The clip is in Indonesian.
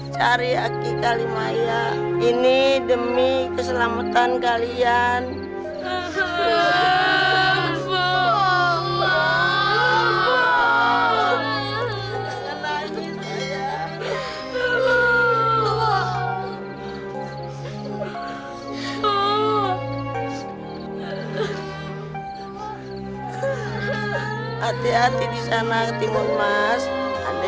cari aki kalimaya ini demi keselamatan kalian hai bawa bawa hati hati di sana timun mas andai